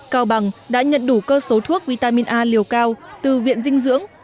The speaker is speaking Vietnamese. cao bằng đã nhận đủ cơ số thuốc vitamin a liều cao từ viện dinh dưỡng